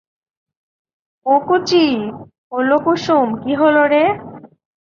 ও কুঁচি, ওলো কুসুম, কী হল রে?